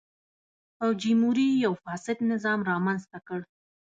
فوجیموري یو فاسد نظام رامنځته کړ.